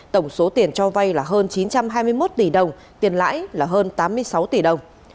tổng số tiền cho vay là hơn chín trăm hai mươi một tỷ đồng tiền lãi là hơn tám mươi sáu tỷ đồng